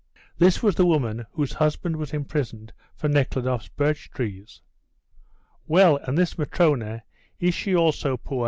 This was the woman whose husband was imprisoned for Nekhludoff's birch trees. "Well, and this Matrona, is she also poor?"